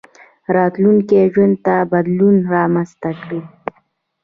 راتلونکي ژوند ته بدلون رامنځته کړئ.